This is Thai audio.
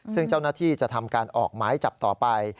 ซึ่งเจ้าหน้าที่จะทำการออกหมายจับต่อไป